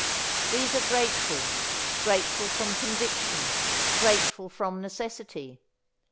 These are grateful, grateful from conviction, grateful from necessity.